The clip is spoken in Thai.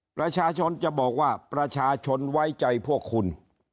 ประชาชนจะบอกว่าประชาชนไว้ใจพวกคุณ